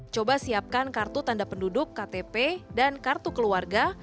coba siapkan kartu tanda penduduk ktp dan kartu keluarga